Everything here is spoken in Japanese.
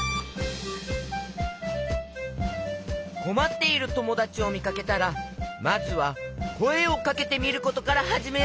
こまっているともだちをみかけたらまずはこえをかけてみることからはじめようね！